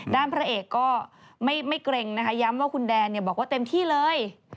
พระเอกก็ไม่เกร็งนะคะย้ำว่าคุณแดนบอกว่าเต็มที่เลย